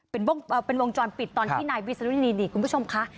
เป็นวงจรปิดตอนที่นายวิศนุนี่คุณผู้ชมคะ